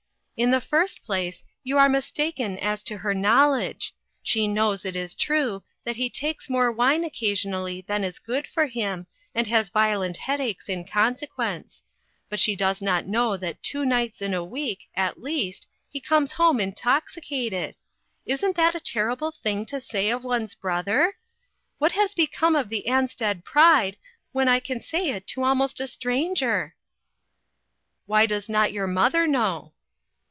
In the first place, you are mistaken as to her knowledge. She knows, it is true, that he takes more wine occasionally than is good for him, and has violent headaches in consequence ; but she does not know that two nights in a week, at least, he comes home intoxicated ! Isn't that a terrible thing to say of one's brother? What has become of the Ansted pride, when I can say it to almost a stranger ?"" Why does not your mother know